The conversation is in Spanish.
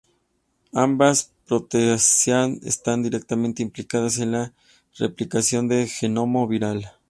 Ambas proteasas están directamente implicadas en la replicación del genoma viral.